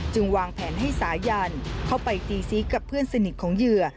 วางแผนให้สายันเข้าไปตีซีกับเพื่อนสนิทของเหยื่อ